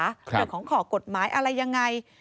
เรื่องของขอกฎหมายอะไรยังไง